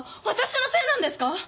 私のせいなんですか？